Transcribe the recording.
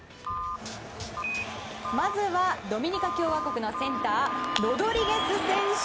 まずはドミニカ共和国のセンターロドリゲス選手